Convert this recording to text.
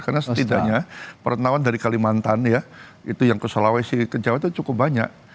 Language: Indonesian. karena setidaknya pertengahan dari kalimantan ya itu yang ke sulawesi ke jawa itu cukup banyak